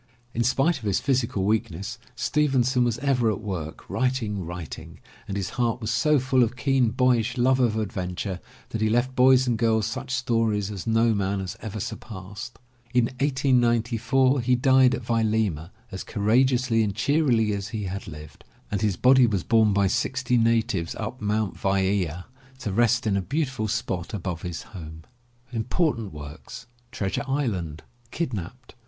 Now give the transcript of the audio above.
In spite of his physical weakness, Stevenson was ever at work, writing, writing, and his heart was so full of keen boyish love of adventure that he left boys and girls such stories as no man has ever surpassed. In 1894 he died at Vailima as courageously and cheerily as he had lived, and his body was borne by sixty natives up Mt. Vaea to rest in a beautiful spot above his home. Treasure Island. Kidnapped.